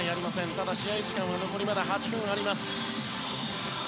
ただ、試合時間は残りまだ８分あります。